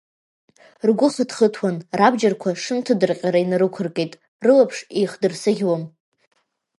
Ргәы хыҭхыҭуан, рабџьарқәа шынҭдырҟьара инарықәыркит, рылаԥш еихдырсыӷьуам…